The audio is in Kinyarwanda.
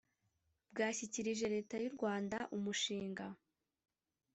bwashyikirije leta y’u rwanda umushinga